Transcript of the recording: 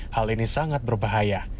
hal ini sangat berbahaya